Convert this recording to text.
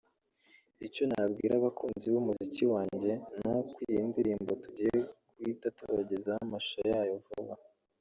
Icyo nabwira abakunzi b’umuziki wanjye ni uko iyi ndirimbo tugiye guhita tubagezaho amashusho yayo vuba